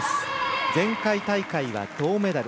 前回大会は銅メダル。